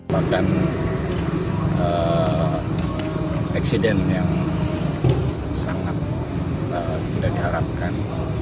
bahkan eksiden yang sangat tidak diharapkan